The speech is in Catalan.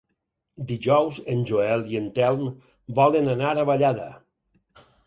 Dijous en Joel i en Telm volen anar a Vallada.